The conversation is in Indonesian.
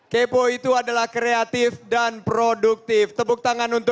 kepo ini adalah kreatif rasional dan sistematis